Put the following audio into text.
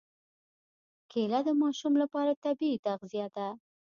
کېله د ماشو لپاره طبیعي تغذیه ده.